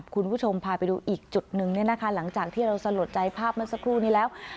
คุณผู้ชมพาไปดูอีกจุดหนึ่งเนี่ยนะคะหลังจากที่เราสลดใจภาพเมื่อสักครู่นี้แล้ว